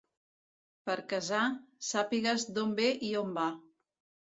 Per casar, sàpigues d'on ve i on va.